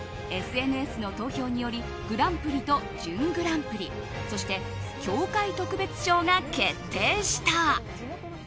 ＳＮＳの投票によりグランプリと準グランプリそして協会特別賞が決定した。